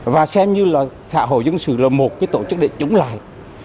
và xem như là xã hội dân sự là một cái tổ chức để chống lại